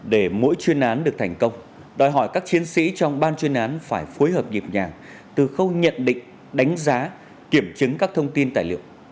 để mỗi chuyên án được thành công đòi hỏi các chiến sĩ trong ban chuyên án phải phối hợp nhịp nhàng từ khâu nhận định đánh giá kiểm chứng các thông tin tài liệu